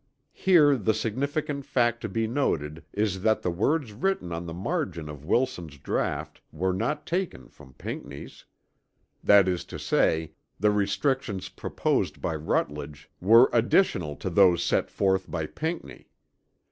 Here the significant fact to be noted is that the words written on the margin of Wilson's draught were not taken from Pinckney's. That is to say the restrictions proposed by Rutledge were additional to those set forth by Pinckney.